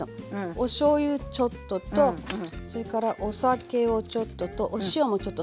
おしょうゆちょっととそれからお酒をちょっととお塩もちょっと。